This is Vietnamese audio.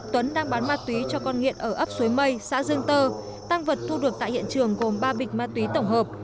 tuấn đang bán ma túy cho con nghiện ở ấp xuế mây xã dương tơ tăng vật thu được tại hiện trường gồm ba bịch ma túy tổng hợp